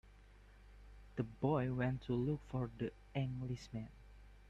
The boy went to look for the Englishman.